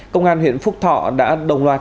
công an huyện phúc thọ đã đồng loạt